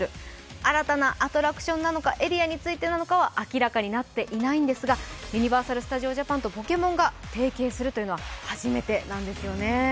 新たなアトラクションなのかエリアについては明らかになっていないんですがユニバーサル・スタジオ・ジャパンとポケモンが提携するのは初めてなんですよね。